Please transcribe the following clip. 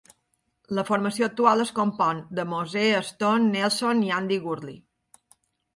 La formació actual es compon de Moser, Stone, Nelson i Andy Gurley.